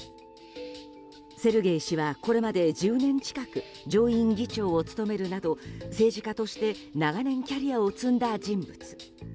セルゲイ氏はこれまで１０年近く上院議長を務めるなど政治家として長年キャリアを積んだ人物。